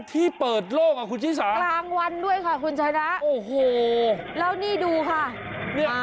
ที่เปิดโลกอ่ะคุณชีสาโอ้โหแล้วนี่ดูค่ะมาแล้วค่ะ